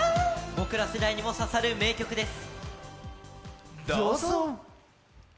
僕ら世代にも刺さる名曲です。